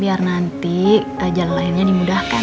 biar nanti jalan lainnya dimudahkan